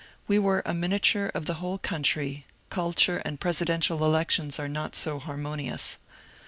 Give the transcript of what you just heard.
We were a miniature of the whole coun try; culture and presidential elections are not harmonious.